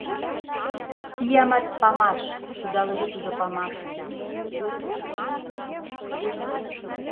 — Киямат памаш! — шудалеш тудо памашым.